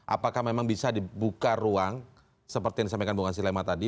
apakah memang bisa dibuka ruang seperti yang disampaikan bung hasilema tadi